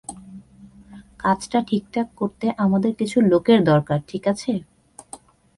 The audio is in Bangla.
কাজটা ঠিকঠাক করতে আমাদের কিছু লোকের দরকার, ঠিক আছে?